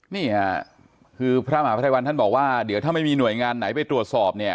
นี่พระมาภัยวรรษ์ท่านบอกว่าเดี๋ยวถ้าไม่มีหน่วยงานไหนด้วยตรวจสอบ